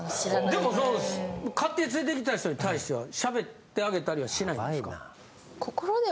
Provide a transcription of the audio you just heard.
でもその勝手に連れてきた人に対しては喋ってあげたりはしないんですか？